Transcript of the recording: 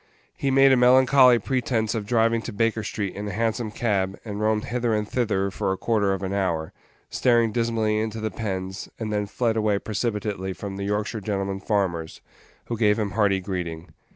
He made a melancholy pretence of driving to Baker street in a Hansom cab, and roamed hither and thither for a quarter of an hour, staring dismally into the pens, and then fled away precipitately from the Yorkshire gentlemen farmers, who gave him hearty greeting.